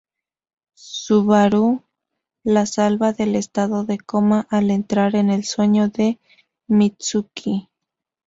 Subaru la salva del estado de coma al entrar en el sueño de Mitsuki.